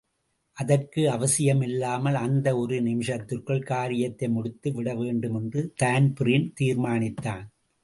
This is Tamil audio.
அதற்கு அவசியமில்லாமல், அந்த ஒரு நிமிஷத்திற்குள் காரியத்தை முடித்து விடவேண்டுமென்று தான்பிரீன் தீர்மானித்தான்.